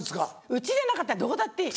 家じゃなかったらどこだっていい。